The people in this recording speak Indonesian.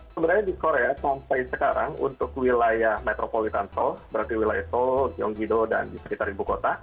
sebenarnya di korea sampai sekarang untuk wilayah metropolitan seoul berarti wilayah seoul gyeonggi do dan di sekitar ribu kota